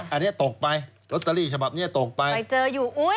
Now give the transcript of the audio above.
อันนี้ตกไปลอตเตอรี่ฉบับเนี้ยตกไปไปเจออยู่อุ้ย